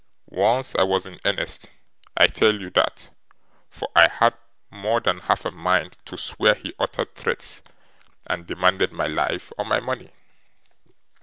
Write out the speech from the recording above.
'Once I was in earnest, I tell you that, for I had more than half a mind to swear he uttered threats, and demanded my life or my money.